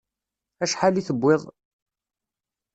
Acḥal i tewwiḍ?